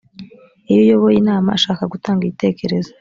iyo uyoboye inama ashaka gutanga igitekerezo